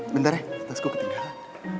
bentar ya tas gue ketinggalan